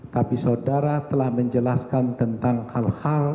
tapi saudara telah menjelaskan tentang hal hal